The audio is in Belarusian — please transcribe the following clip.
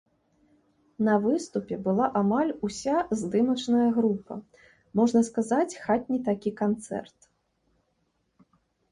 На выступе была амаль уся здымачная група, можна сказаць, хатні такі канцэрт.